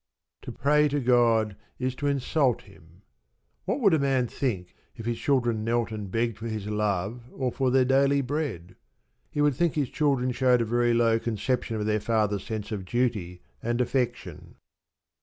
To pray to God is to insult Him. What would a man think if his children knelt and begged for his love or for their daily bread? He would think his children showed a very low conception of their father's sense of duty and affection.